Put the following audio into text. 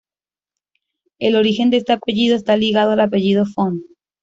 El origen de este apellido está ligado al apellido Font.